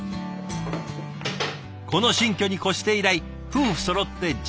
この新居に越して以来夫婦そろって自宅でランチ。